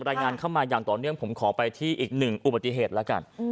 รายงานเข้ามาอย่างต่อเนื่องผมขอไปที่อีกหนึ่งอุบัติเหตุแล้วกัน